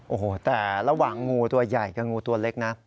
โอ้โหแต่ระหว่างงูตัวใหญ่กับงูตัวเล็กนะ